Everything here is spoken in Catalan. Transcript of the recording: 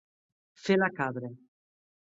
Fer la cabra.